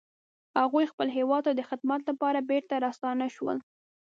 هغوی خپل هیواد ته د خدمت لپاره بیرته راستانه شول